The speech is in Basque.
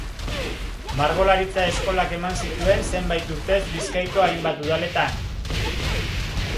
Margolaritza eskolak eman zituen zenbait urtez Bizkaiko hainbat Udaletan.